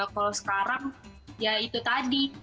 kalau sekarang ya itu tadi